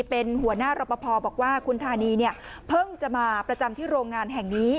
เป็นหัวหน้ารอปภบอกว่าคุณธานีเนี่ยเพิ่งจะมาประจำที่โรงงานแห่งนี้